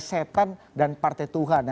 setan dan partai tuhan